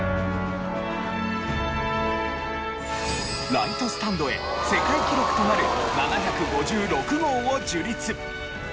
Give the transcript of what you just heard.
ライトスタンドへ世界記録となる７５６号を樹立。